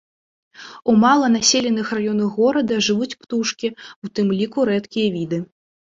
У мала населеных раёнах горада жывуць птушкі, у тым ліку рэдкія віды.